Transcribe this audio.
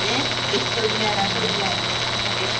エストニア、ラトビアリトアニアです。